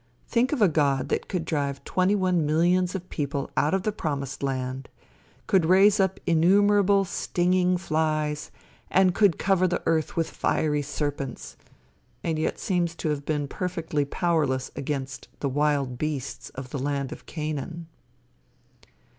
Think of a God that could drive twenty one millions of people out of the promised land, could raise up innumerable stinging flies, and could cover the earth with fiery serpents, and yet seems to have been perfectly powerless against the wild beasts of the land of Canaan!